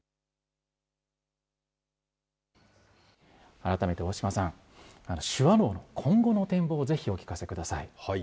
改めて大島さん、手話能の今後の展望をぜひお聞かせください。